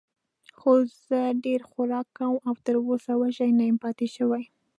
خو زه ډېر خوراک کوم او تراوسه وږی نه یم پاتې شوی.